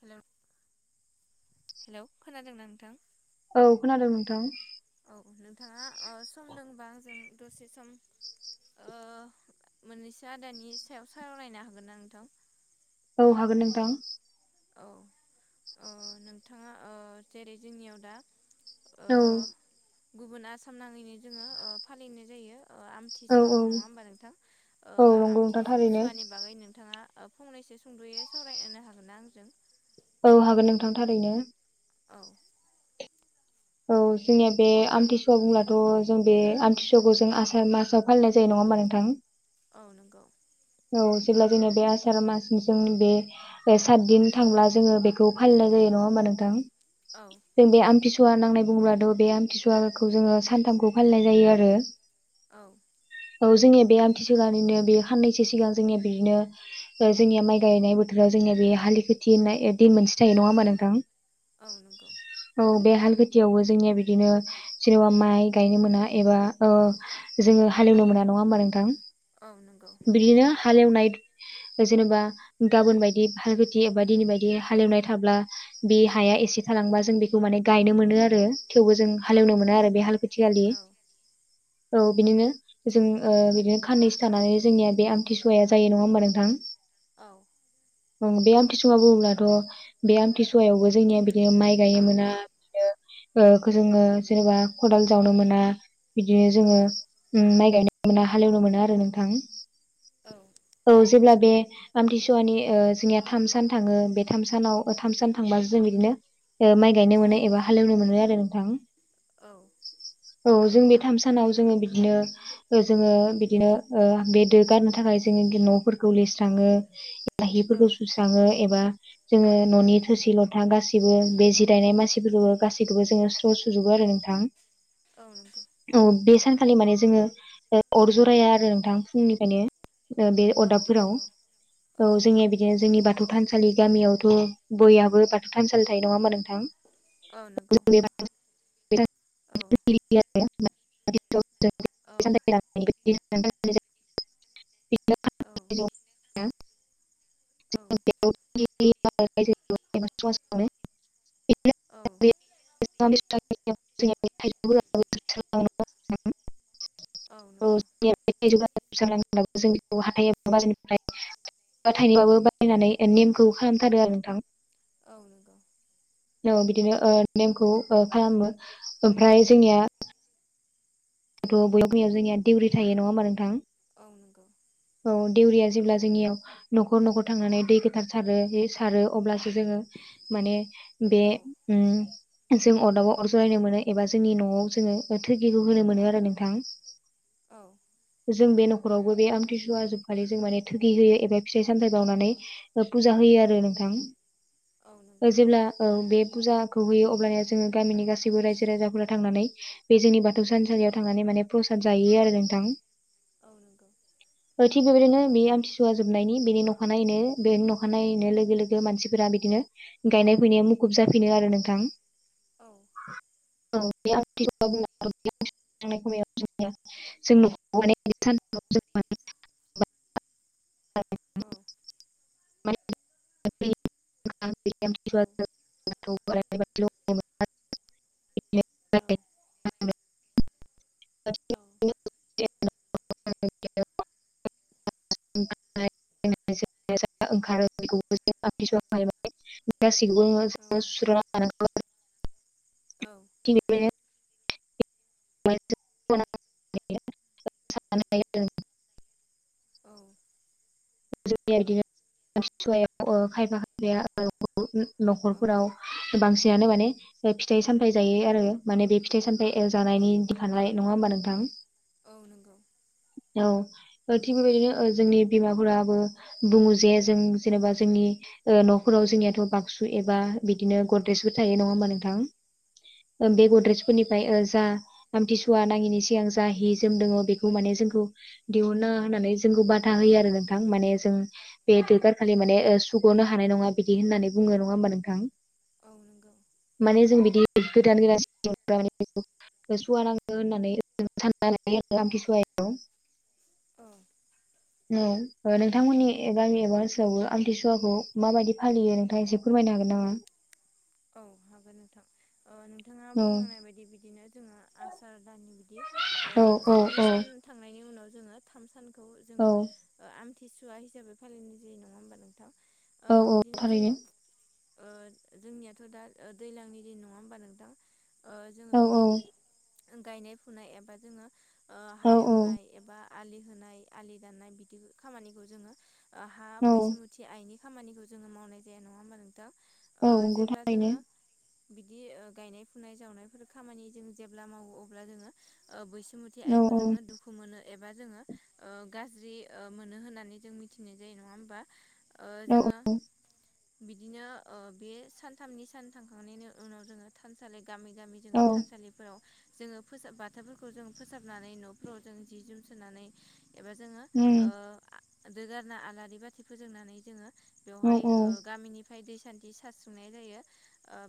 हेल' hello खोनादों ना नोंथां औ खोनादों नोंथां औ नोंथाङा ओ सम दोंबा आंजों दसे सम ओ मोननैसो आदानि सायाव साररायनो हागोन ना नोंथां औ हागोन नोंथां औ ओ नोंथाङा ओ जेरै जोंनियाव दा ओ औ गुबुन आसाम नाङैनो जोङो फालिनाय जायो औ औ आमथिसुवाखौ नङा होमबा नोंथां औ ओ नंगौ नोंथां आमथि थारैनो सुवानि बागै नोंथाङा फंनैसो सुंद'यै सावरायनो हागोन ना आंजों औ हागोन नोंथां थारैनो औ औ जोंनिया बे आमथिसुवा बुंब्लाथ' जों बे आमथिसुवाखौ जों आसार मासाव फालिनाय जायो नङा म मानि थां औ नंगौ औ जेब्ला जोंना बे आसार मासजों बे सात दिन थांब्ला जोङो बेखौ फालिनाय औ जायो नों आमसुवा नांनाय बुंग्राथ बे आमथिसुवाखौ जोंङो सानथामखौ फालिनाय जायो आरो औ औ जोंनिया बे आमथि सिगनिनो बे साननैसो सिगां जोंनिया बिदिनो जोंनिया माइ गायनाय बोथोराव जोंनिया हलिनाय मोनसे था ह नोंथां औ नंगौ औ खथियावबो जोंनिया बिदिनो जेनेबा माइ गायनो मोना एबा जोंङो हालेवनो मोना नङा हबा नोंथां औ नंगौ बिदिनो हालेवनाय जेनेबा गाबोन बायदि हालथि एबा दिनै बायदि हालेवनाय थाब्ला बे हाया एसे थालांबा जों बेखौ माने गायनो मोनो मोन आरो थेवबो जों औ हालेवनो मोनो औ आरो बे हाल खेथिखालि औ [inaudible] औ बिदिनो जों बिदिनो खाननैसो थानानै जोंनिया बे आमथिसुवाया जायो नंङा होमबा नोंथां औ बे आमथिसुवा बुङोब्लाथ बे आमथिसुवायावबो जोंनिया बिदिनो माइ गायोमोना बिदिनो जोंङो जेनेबा खदाल जावनो मोना बिदिनो औ जोंङो माइ गायनो मोना हालेवनो मोनो आरो नोंथां औ औ जेब्ला बे आमथिसुवानि जोंनिया थाम सान थाङो बे थाम सानाव थाम सान थांबाो जों बिदिनो माइ गायनो मोनो एबा हालेवनो मोनो आरो नोंथां औ औ जों बे थाम सानाव जोंङो बिदिनो जोंङो बिदिनो बे दो गारनो थाखाय जोंङो न' लो औ हफोरखौ सुस्राङो एबा जो ननि थ लथा गासिबो बे जिरायनाय मानसिफोरखौबो गैखौबो जोंङो स्र सुजुबो आरो नोंथां औ नंगौ बे स खालि माने जोङो अर जरायाया आरो नोंथां फुंनिफ्रायनो बे औ अदाबफोराव नंगौ औ जोंनिया बिदिनो जोंनि बाथौ बाथौ थानसालि गामियावथ' बयाबो बाथौ थानसालि थायो नङामा नोंथां औ नंगौ जों बे बाथौ औ औ [unintelligible] औ [unintelligible] औ [unintelligible] औ [unintelligible] [unintelligible] औ नंगौ जों हाजफ्राय थाइनैाबो बायनानै नेमखौ आरोन थां औ नंगौ औ बिदिनो नेमखौ खालामो ओमफ्राय जोंनिया बययाव फनियाव जोंनिया देउरि थायो नङा होमा नोंथां औ नंगौ औ देउरिया जेब्ला जोंनियाव नखर नखर थांनानै दै गोथार सारो सारो अब्ला जोंङो माने बे औ उम जों अरदाबाव अर जलायनो मोनो एबा जोंनि न'आव जोंङो थोरखिखौ होनो मोनो आरो नोंथां औ जों बे नखरावबो बे आमथि सुवाजोबखालि जों माने थगि होयो एबा फिथाइ सामथाइ बावनानै फुजा हो होयो आरो औ नंगौ नोंथां जेब्ला औ बे फुजाखौ होयो अब्ला जोङो गामिनि गासैबो रायजो राजाफोरा थांनानै बे जोंनि बाथौ थानसालियाव थांनानै माने प्रसाद जायो आरो नोंथां औ नंगौ थिग बेबायदिनो बे आमथिसुवा जोबनायनि बेनि अखा नायैनो [unintelligible] गायनाय फुनाया मुखुब जाफिनो आरो नोंथां। औ। औ। जों माने सान [inaudible] [unintelligible] [unintelligible] [unintelligible] [unintelligible] [unintelligible] [unintelligible] [unintelligible] [unintelligible] [unintelligible] न'खरफोराव बांसि यानो माने फिथाइ सामथायाइ जायो आरो माने बे फिथाइ सामथाय जानायनि दिफाननाय नङा होमबा नोंथां। नंगौ औ औ थिग बेबायदिनो ओ जोंनि बिमा फ फोराबो बुङो जे जों जेनेबा जोंनि न'फोराव जोंनियाथ' बाक्सु एबा बिदिनो गद्रेजबो थायो नङा होमबा नोंथां। बे औ गद्रेजफोरनिफ्राय जा आमथिसुवा नाङिनि सिगां जा हि जोम दङ बेखौ माने। जोंखौ दिहुना होननानै जोंखौ बाथा होयो आरो माने जों बे दगार खालि माने सुग'नो हानाय नङा बिदि होननानै बुङो नङा होमबा नोंथां। औ नंगौ। [unintelligible] औ। औ नोंथांमोननि गामि एबा ओनसोलावबो आमथिसुवाखौ माबायदि फालियो नोंथां एसे फोरमाय हागोन नामा? औ हागोन नोंथां। नोंथाङा औ बुंनांनाय बायदि बिदिनो जोङो आसार दाननि बिदि औ औ स्नि औ सान थांनायनि उनाव जोङो थाम सानखौ औ जोङो आमथिसुवा हिसाबै फालिनाय जायो नङा होमबा नोंथां। औ औ बिदिनो जोङो थारैनो ओ जोंनिया थ' दा दैज्लांनि दिन नङा होमबा नोंथ ओां जोङो औ औ बिदि गायनाय फुनाय एबा जोङो ओ औ हालेवनाय एबा आलि होनाय आलि दाननाय बिदि खामानिखौ जोङो हा औ बैसोमुथि आइनि खामानिखौ जोङो मावनाय जाया नङा होमबा नोंथां ओ जेब्ला बेनो। जोङो बिदि गायनाय फुनाय जावनायफोर खामानि जों जेब्ला मावो अब्ला जोङो बैस खसुमुथि औ आइखौ जोङो दुखु मोनो। एबा जोङो गाज्रि मोनो होननानै जों मिथिनाय जायो नङा होमबा। ओ औ जोङो बिदिन ओो बे सान थामनि सान थांखांनायनि उनाव जोङो थानसालि गामि गामि औ जोङो थानसालिफोराव जोङो फोसाब बाथोफोरखौ जों फोसाबनानै न'फ्राव जों जि जोम सोननानै एबा जोङो उम दोगारना आलारि बाथि फोजोंनानै जोङो। औ बेवहाय ओ गामिनिफ्राय दै सान्थि सारसुंनाय जायो।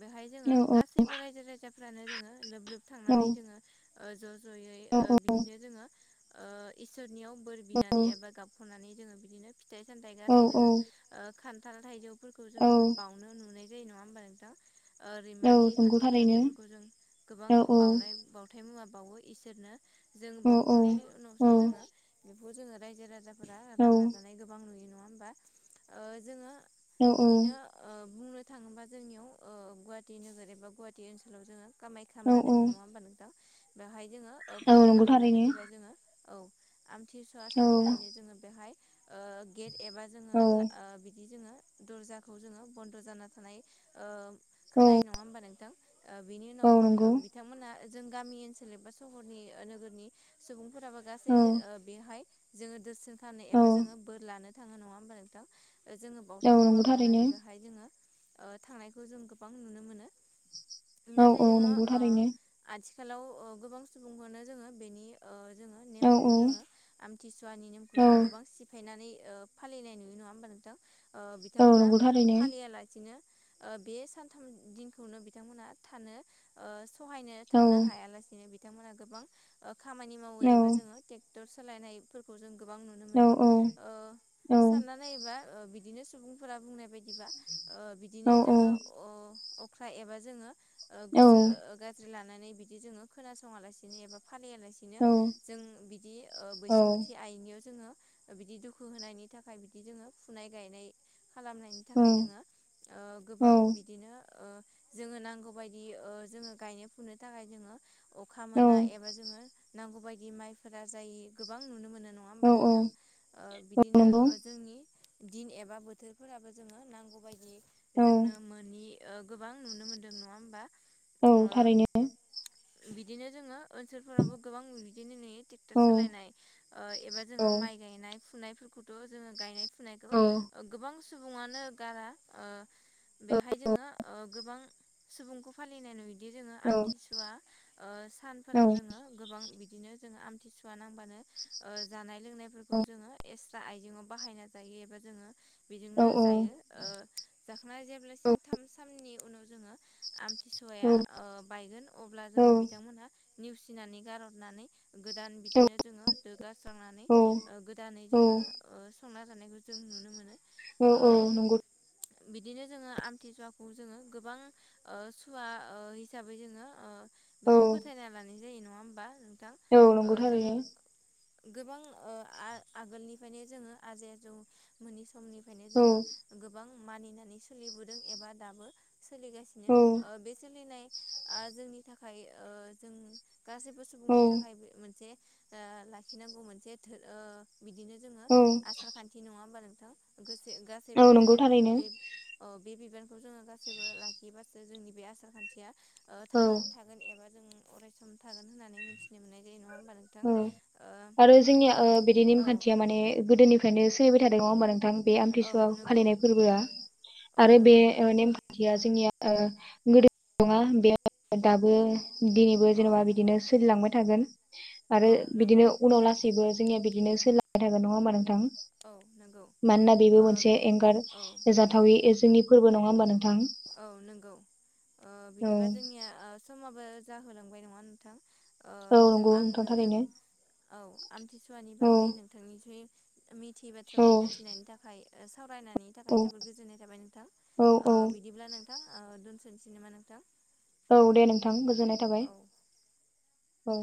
बेहाय जोङो औ औ गासैबो रायजो राजाफ्रानो जोङो लोब लोब औ थांनानै जोङो ज' औ जयै बिदिनो जोङो इसोरनियाव बोर बिनानै एबा गाबख'नानै जोङो बिदिनो फिथाइ सामथायाइ औ गासै जोङो खान्थाल थाइजौफोरखौ जोङो बावनो नुनाय जायो नंङा होमबा नोंथां। औ रैमालि खान्थाल नंगौ थारैनो थाइजौफोरखौ जों औ गोबां औ बावनाय बावथाय मुवा बावो इसोरनो जों बावउखांनायनि उनावसो औ जोङो बेखौ जोङो रायजो राजा औ रानना जानाय गोबां नुयो नङा होमबा? ओ जोङो बिदिनो ओ बुंनो थाङोबा जोंनियाव ओ गुवाहाटि नोगोर एबा गुवाहाटि ओनसोलाव जोङो खामाख्या मा दोङो नङा औ होमबा नोंथां बेवहाय जोङो खोनानो नंगौ थारैनो मोननाय बायदिबा जोङो औ आमथिसुवा औ औ सानखालिनो जोङो बेहाय ओ गे एबा जोङो बिदि जोङो दर्जाखौ जोङो बन्द' जाना थानाय ओ औ खोनायो नङा होमबा नोंथां? ओ बिनि उनाव औ ओ नंगौ बिथांमोना जों गामि ओनसोल एबा सहरनि नोगोरनि सुबुंफोराबो औ गासै ओ बेहाय जोङो दोरसनोनखालामनो औ एबा जोङो बोर लानो थाङो नङा होमबा नोंथां? जोङो औ बावथाय मुवा नंगौ थारैनो बावनानै बेहाय जोङो ओ थांनायखौ जों गोबां नुनो मोनो। औ नाथाय औ जोङो नंगौ थारैनो आथिखाल खालाव गोबां सुबुंफोरनो जोङो बेनि ओ जोङो औ नेमखौ औ जोङो आमथिसुवानि नेमखौ औ जों गोबां सिफायनानै ओ फालिनाय नुयो नङा होमबा नोंथां? ओ औ बिथांमोना नंगौ थारैनो फालिया लासिनो ओ बे सानथाम दिनखौनो बिथांमोना थानो ओ सहायनो औ थानो हायालासिनो बिथांमोनहा गोबां खामानि मावो औ एबा जोङो ट्रेक्टर सोलायनायफोरखौ जों गोबां नुनो औ मोनो औ ओ औ सानना नायोबा बिदिनो सुबुंफोरा बुंनाय बायदिबा ओ बिदिनो औ जोङो अख्रा एबा जोङो ओ औ गोसो गाज्रि लानानै बिदि जोङो खोनासङालासिनो एबा फालियालासिनो जों बिदि ओ बैसोमुथि आइनियाव जोङो बिदि दुखु होनायनि थाखाय बिदि जोङो फुनाय गायनाय खालामनायनि थाखाय जोङो ओ गोबां औ बिदिनो ओ जोङो नांगौ बायदि ओ जोङो गायनाय फुनो थाखाय जोङो अखा औ मोना एबा जोङो नांगौबायदि माइफोरा जायि गोबां नुनो मोनो। नङा होमबा औ औ नोंथां? ओ बिदिनो नंगौ जोंनि दिन एबा बोथोरफोराबो जोङो औ नांगौबायायदि जोंनो मोनि ओ गोबां नुनो मोनदों नङा होमबा? औ ओ थारैनो। बिदिनो जोङो ओनसोलफोरावबो गोबां बिदिनो नुयो ट्रेक्टर औ सालायनाय ओ एबा औ जोङो माइ गायनाय फुनायफोरखौथ' जोङो गायनाय फुनायखौ औ गोबां सुबुङानो गारा ओ बेहाय जोङो गोबां सुबुंखौ फालिनाय नु यो जोङो औ आमथिसुवा ओ नंगौ सानफोराव जोङो गोबां बिदिनो जों आम थिसुवा नांबानो ओ जानाय लोंनायफोरखौ औ जोङो एस आइजेंयाव बाहायना जायो एबा जोङो बेजोंनो जायो ओ जाखांना जेब्लासिम थाम साननि उनाव जोङो औ आमथिसुवाया ओ बायगोन अब्ला जोङो नंगौ बिथांमोनहा नेवसिनानै गारहरनानै गोदान बिदिनो जोङो दोगास्रांनानै गोदानै जोङो ओ संना जानायखौ जों नुनो मोनो। औ ओ औ नंगौ। बिदिनो जोङो आमथिसुवाखौ जोङो गोबां ओ सुवा ओ हिसाबै जोङो बेखौ फोथायना लानाय जायो नङा होमबा? औ ओ नंगौ जों थारैनो। गोबां आगोलनिफ्रायनो जोङो आजै आजौ मोननि समनिफ्रायनो जोङो गोबां मानिनानै सोलिबोदों एबा दाबो सोलिगासिनो ओ बे सोलिनाय जोंनि थाखाय ओ जों गासैबो औ सुबुंनि थाखाय मोनसे ओ लाखिनांगौ मोनसे ओ बिदिनो जोङो औ आसार खान्थि नङा होमबा नों औ गासैबो नंगौ जोङो थारैनो बे बे बिबानखौ जोङो गासैबो लाखिबासो जोंनि बे आसार खान्थिया ओ औ थांनानै थागोन एबा जों अरायसम थागोन होननानै मिथिनो मोननाय जायो नंङा आरो जोंनिया बिदि औ नेमखान्थिया माने गोदोनिफ्रायनो सोलिबाय थादों नङा होमबा नोंथां बे आमथिसुवा औ नंगौ फालिनाय फोरबोआ औ आरो बे नंगौ नोंथां नेम खान्थिया जोंनिया ओ गोदो नंङा बेयाव दाबो दिनैबो औ जेनबा बिदिनो सोलिलांबाय थागोन आरो औ नंगौ बिदिनो उनाव लासैबो जोंनिया बिदिनो सोलिलांबाय थागोन नंङा होमबा नोंथां? औ नंगौ मानोना बेबो ओ मोनसे एंगार औ जाथावि जोंनि फोरबो नंङा होमबा नों औ नंगौ औ बिदिबा जोंनिया समाबो जाहोलांबाय नंङा नोंथां? औ जों नंगौ आं नोंथां नोंजों थारैनो औ आमथिसुवानि औ बागै नोंथांनोसै थियै औ बाथ्राखौ मिथिनायनि थाखाय सावरायनायनि थाखाय औ जोबोद गोजोननाय थाबाय नोंथां औ औ बि ब्ला नोंथां दोनथ'नोसै नामा नोंथां? औ दे नोंथां गोजोननाय थाबाय औ औ।